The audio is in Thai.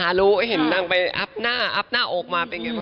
หารู้เห็นนั่งไปอับหน้าออกมาเป็นยังไง